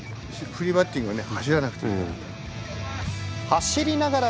フリーバッティングは走らなくていいから。